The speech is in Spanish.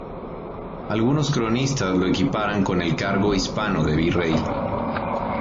Algunos cronistas lo equiparan con el cargo hispano de virrey.